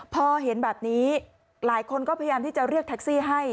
พอเห็นแบบนี้หลายคนก็พยายามที่จะเรียกแท็กซี่ให้